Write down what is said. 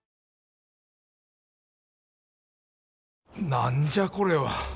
何じゃこれは。